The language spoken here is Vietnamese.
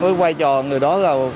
nói quay trò người đó là